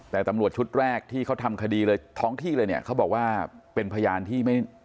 แต่ตำรวจชุดแรกที่เขาทำคดีเลยท้องที่เลยเนี่ยเขาบอกว่าเป็นพยานที่ไม่